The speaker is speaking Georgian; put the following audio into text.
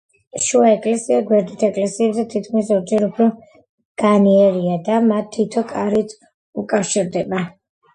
შუა ეკლესია გვერდით ეკლესიებზე თითქმის ორჯერ უფრო განიერია და მათ თითო კარით უკავშირდება.